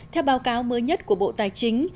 theo báo cáo mới nhất của bộ tài chính